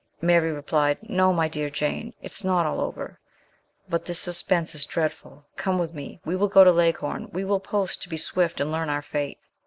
Mary replied, " No, my dear Jane, it is not all over ; but this suspense is dreadful. Come with me ; we will go to Leghorn ; we will post, to be swift and learn our fate."